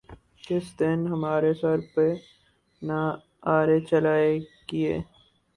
کس دن ہمارے سر پہ نہ آرے چلا کیے